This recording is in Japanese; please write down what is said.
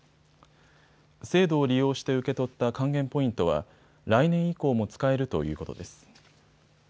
制度を利用して受け取った還元ポイントは来年以降も使えるということです。